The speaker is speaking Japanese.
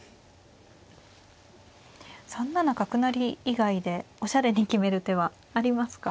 ３七角成以外でおしゃれに決める手はありますか。